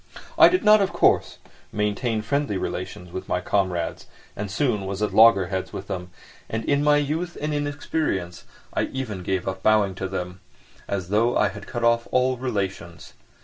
I did not, of course, maintain friendly relations with my comrades and soon was at loggerheads with them, and in my youth and inexperience I even gave up bowing to them, as though I had cut off all relations.